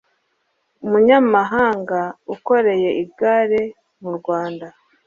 umunyamahanga ukoreye irage mu rwanda